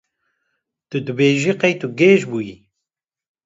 Tu dibêjî qey tu gêj bûyî.